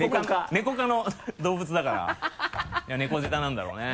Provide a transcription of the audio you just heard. ネコ科の動物だから猫舌なんだろうね。